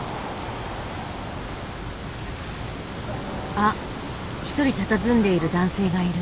あっ一人たたずんでいる男性がいる。